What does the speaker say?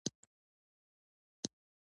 انیلا وویل چې پلار مې منځني ختیځ ته تجارت کاوه